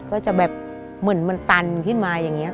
ก็จะแบบเหมือนมันตันขึ้นมาอย่างนี้